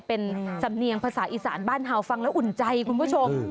เป็นสำเนียงภาษาอีสานบ้านเห่าฟังแล้วอุ่นใจคุณผู้ชม